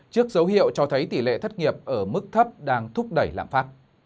trước dấu hiệu cho thấy tỷ lệ thất nghiệp ở mức thấp đang thúc đẩy lãm phát